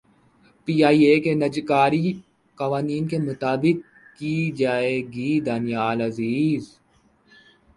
P I A کی نجکاری قوانین کے مطابق کی جائے گی دانیال عزیز